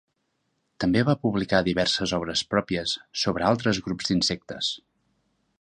També va publicar diverses obres pròpies sobre altres grups d'insectes.